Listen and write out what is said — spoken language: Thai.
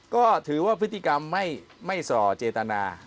ก็ถือว่าพฤติกรรมไม่ส่อเจตนา